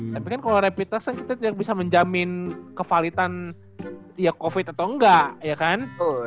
tapi kan kalau rapid test kan kita tidak bisa menjamin kevalitan ya covid atau enggak ya kan